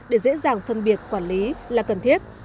để dễ dàng phân biệt quản lý là cần thiết